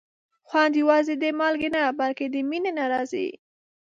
خوند یوازې د مالګې نه، بلکې د مینې نه راځي.